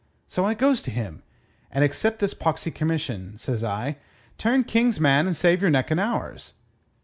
So I goes to him, and 'accept this poxy commission,' says I; 'turn King's man and save your neck and ours.'